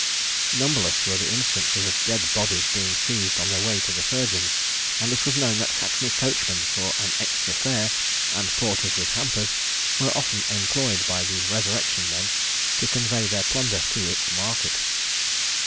Numberless were the instances of dead bodies being seized on their way to the surgeons; and it was known that hackney coachmen, for an extra fare, and porters with hampers, were often employed by the resurrection men to convey their plunder to its market.